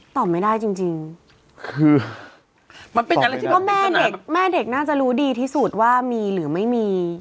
ตอบไม่ได้จริงจริงคือมันเป็นอะไรคิดว่าแม่เด็กแม่เด็กน่าจะรู้ดีที่สุดว่ามีหรือไม่มี